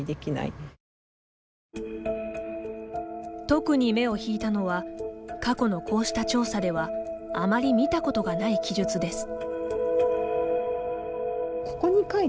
特に目を引いたのは過去のこうした調査ではあまり見たことがない記述です。